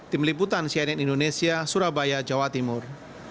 tim liputan cnn indonesia surabaya jawa timur